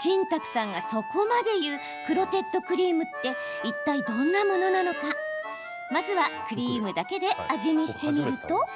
新宅さんがそこまで言うクロテッドクリームっていったい、どんなものなのかまずはクリームだけで味見してみると。